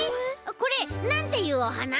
これなんていうおはな？